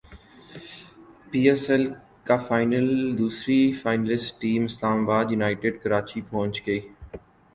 پی S L کا final دوسری finalist team اسلام باد یونائیٹڈ کراچی پہنچ گئی